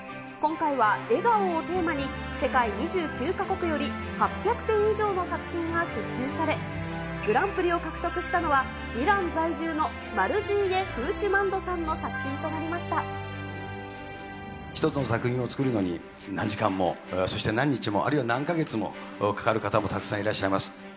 今回は笑顔をテーマに、世界２９か国より８００点以上の作品が出展され、グランプリを獲得したのは、イラン在住のマルジーイェ・フーシュマンドさんの作品となりまし一つの作品を作るのに、何時間も、何日も、あるいは何か月もかかる方もたくさんいらっしゃいます。